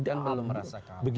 dan belum merasa kalah